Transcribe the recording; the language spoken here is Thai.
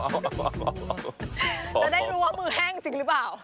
จะได้รู้ว่ามือแห้งจริงหรือเปล่า